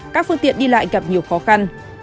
các phương tiện đi lại gặp nhiều khó khăn